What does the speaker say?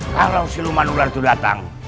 kalau siluman ular itu datang